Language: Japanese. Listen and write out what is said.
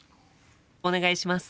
お願いします。